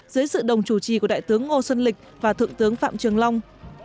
dưới sự đồng chủ trì của đại tướng ngô xuân lịch và thượng tướng phạm trường long